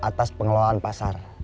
atas pengelolaan pasar